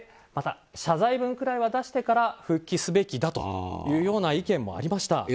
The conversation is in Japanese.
謝罪文くらいは出してから復帰すべきだというような意見もありました。